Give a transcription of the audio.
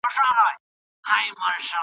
د کباب هره ټوته د زهرو جام وو .